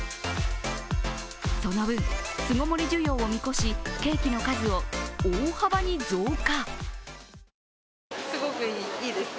その分、巣ごもり需要を見越し、ケーキの数を大幅に増加。